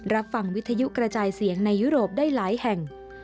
รับฟังวิทยุกระจายเสียงในยุโรปได้หลายแห่ง